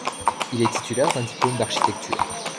Il est titulaire d'un diplôme d'architecture.